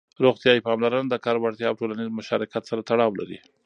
روغتيايي پاملرنه د کار وړتيا او ټولنيز مشارکت سره تړاو لري.